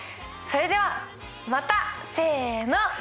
それではまたせの！